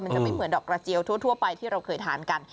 จะไม่เหมือนดอกกระเจียวทั่วไปที่เราเคยทานกัน